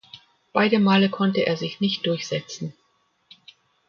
Beide Male konnte er sich nicht durchsetzen.